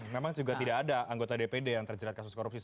memang juga tidak ada anggota dpd yang terjerat kasus korupsi